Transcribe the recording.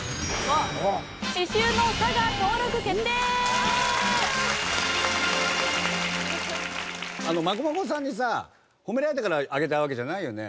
あのまこまこさんにさ褒められたから上げたわけじゃないよね？